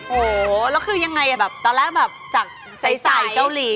โอ้โหแล้วคือยังไงแบบตอนแรกแบบจากใสเกาหลี